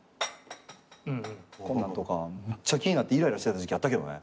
こんなのとかめっちゃ気になってイライラした時期あったけどね。